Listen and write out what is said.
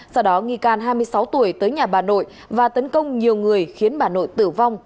sau đó nghi can hai mươi sáu tuổi tới nhà bà nội và tấn công nhiều người khiến bà nội tử vong